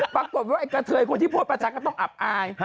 ปรากฏว่ากะเทยต์คนที่โพสต์ประจังก็ต้องอาบอาย